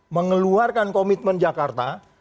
mengeluarkan komitmen jakarta